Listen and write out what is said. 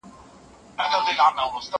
زه پرون کتابتون ته راځم وم،